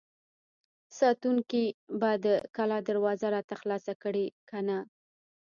ساتونکي به د کلا دروازه راته خلاصه کړي که نه!